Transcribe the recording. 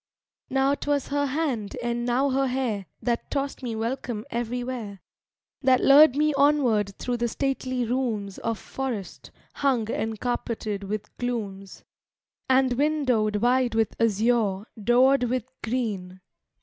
II Now 'twas her hand and now her hair That tossed me welcome everywhere; That lured me onward through the stately rooms Of forest, hung and carpeted with glooms, And windowed wide with azure, doored with green.